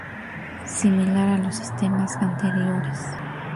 Similar a los sistemas anteriores.